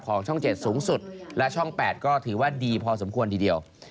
ช่อง๗สูงสุดและช่อง๘ก็ถือว่าดีพอสมควรทีเดียว